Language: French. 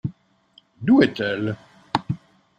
D’où est-elle ?